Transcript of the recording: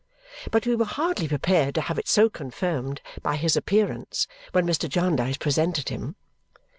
But we were hardly prepared to have it so confirmed by his appearance when Mr. Jarndyce presented him.